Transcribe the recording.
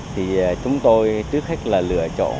thì chúng tôi trước hết là lựa chọn